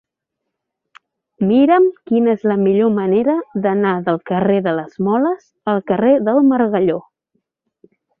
Mira'm quina és la millor manera d'anar del carrer de les Moles al carrer del Margalló.